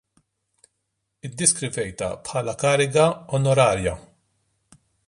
Iddiskrivejtha bħala kariga onorarja.